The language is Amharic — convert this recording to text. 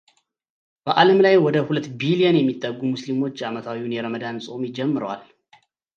በዓለም ላይ ወደ ሁለት ቢሊዮን የሚጠጉ ሙስሊሞች ዓመታዊውን የረምዳን ጾም ጀምረዋል።